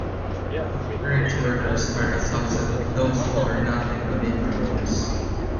"Discouraged workers" are a subset of those who are "not in the labor force".